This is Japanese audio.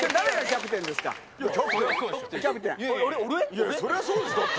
いやそりゃそうでしょだって。